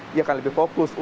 dia akan lebih fokus